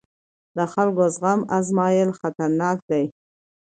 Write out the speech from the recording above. د خلکو زغم ازمېیل خطرناک دی